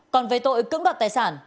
còn về tội cưỡng đặt tài sản